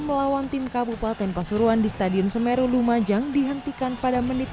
melawan tim kabupaten pasuruan di stadion semeru lumajang dihentikan pada menit ke tiga puluh tiga